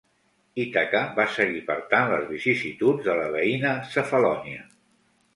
Ítaca va seguir per tant les vicissituds de la veïna Cefalònia.